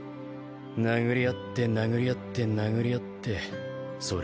殴り合って殴り合って殴り合ってそれだけだ。